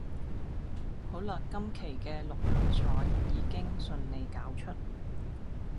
好喇今期嘅六合彩已經順利攪出